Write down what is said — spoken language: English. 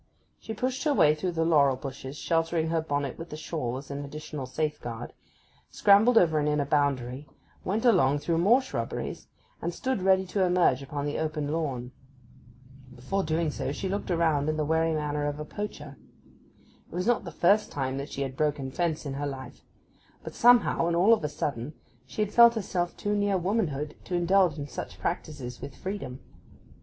She pushed her way through the laurel bushes, sheltering her bonnet with the shawl as an additional safeguard, scrambled over an inner boundary, went along through more shrubberies, and stood ready to emerge upon the open lawn. Before doing so she looked around in the wary manner of a poacher. It was not the first time that she had broken fence in her life; but somehow, and all of a sudden, she had felt herself too near womanhood to indulge in such practices with freedom.